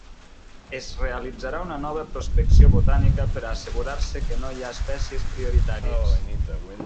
Es realitzarà una nova prospecció botànica per a assegurar-se que no hi ha espècies prioritàries.